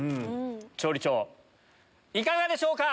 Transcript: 調理長いかがでしょうか？